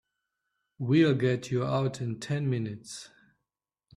We'll get you out in ten minutes.